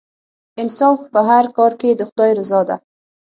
انصاف په هر کار کې د خدای رضا ده.